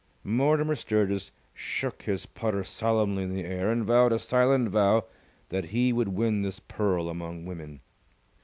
Mortimer Sturgis shook his putter solemnly in the air, and vowed a silent vow that he would win this pearl among women.